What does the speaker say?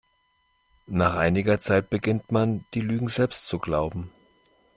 Nach einiger Zeit beginnt man, die Lügen selbst zu glauben.